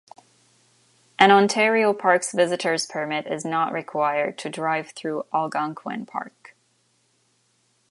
An Ontario Parks visitor's permit is not required to drive through Algonquin Park.